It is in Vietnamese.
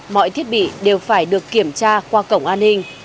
mọi thiết bị đều phải được kiểm tra qua cổng an ninh